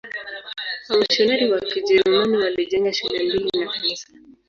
Wamisionari wa Kijerumani walijenga shule mbili na kanisa.